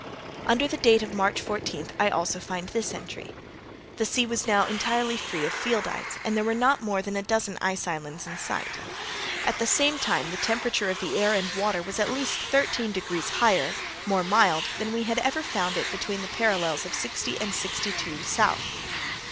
Under the date of March fourteenth I find also this entry. "The sea was now entirely free of field ice, and there were not more than a dozen ice islands in sight. At the same time the temperature of the air and water was at least thirteen degrees higher (more mild) than we had ever found it between the parallels of sixty and sixty two south.